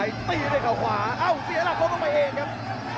อ้าวเสียล่ากลงออกหมายเอกครับ